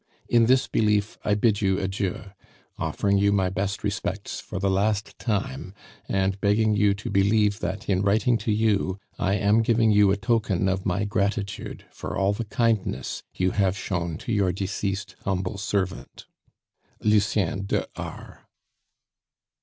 In this belief I bid you adieu, offering you my best respects for the last time, and begging you to believe that in writing to you I am giving you a token of my gratitude for all the kindness you have shown to your deceased humble servant, "LUCIEN DE R."